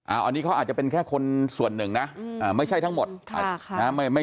อันนี้เขาอาจจะเป็นแค่คนส่วนหนึ่งนะไม่ใช่ทั้งหมด